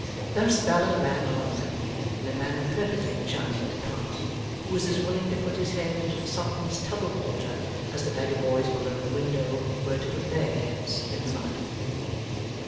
Thus Bella ran on merrily, in a manner perfectly enchanting to Pa, who was as willing to put his head into the Sultan's tub of water as the beggar boys below the window were to put THEIR heads in the mud.